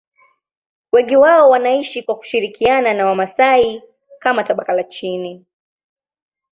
Wengi wao wanaishi kwa kushirikiana na Wamasai kama tabaka la chini.